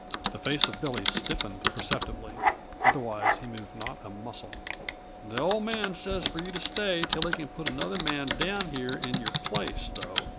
The face of Billy stiffened perceptibly; otherwise he moved not a muscle. "The Old Man says for you to stay till he can put another man down here in your place, though.